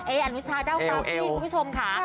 เออนุชาเด้าฟ้าปีนคุณผู้ชมค่ะ